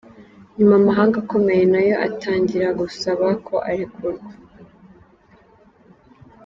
Nyuma amahanga akomeye nayo atangira gusaba ko arekurwa.